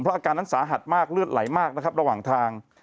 อาการนั้นสาหัสมากเลือดไหลมากนะครับระหว่างทาง